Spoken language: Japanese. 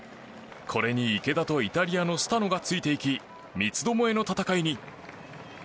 これに池田とイタリアのスタノがついていき三つどもえの戦いに。